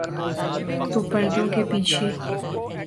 تو پردوں کے پیچھے۔